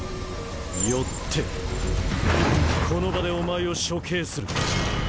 よってこの場でお前を処刑する。